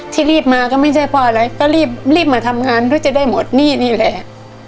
ที่รีบมาก็ไม่ใช่เพราะอะไรก็รีบมาทำงานด้วยจะได้หมดหนี้นี่แหละ